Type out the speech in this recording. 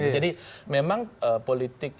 jadi memang politik